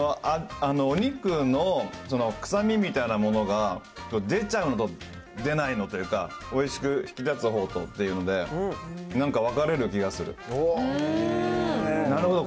お肉の臭みみたいなものが出ちゃうのと出ないのというか、おいしく引き立つほうっていうので、なんか分かれる気がする。